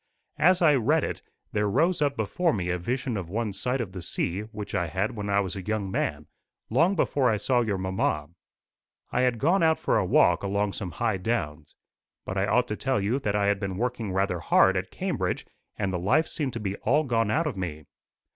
As I read it, there rose up before me a vision of one sight of the sea which I had when I was a young man, long before I saw your mamma. I had gone out for a walk along some high downs. But I ought to tell you that I had been working rather hard at Cambridge, and the life seemed to be all gone out of me.